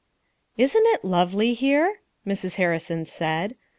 " Isn't it lovely here?" Mrs. Harrison said.